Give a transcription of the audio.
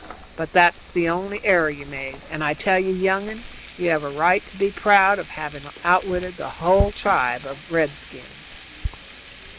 But that's the only error you made, and I tell you, young un, you have a right to be proud of having outwitted a hull tribe of redskins."